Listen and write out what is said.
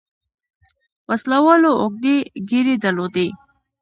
وسله والو اوږدې ږيرې درلودې.